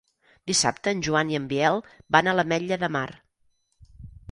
Dissabte en Joan i en Biel van a l'Ametlla de Mar.